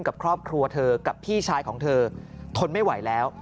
กับครอบครัวเธอกับพี่ชายของเธอทนไม่ไหวแล้ว